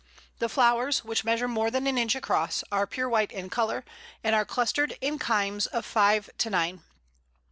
The flowers, which measure more than an inch across, are pure white in colour, and are clustered in cymes of five to nine.